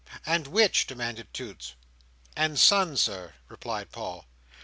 "And which?" demanded Toots. "And Son, Sir," replied Paul.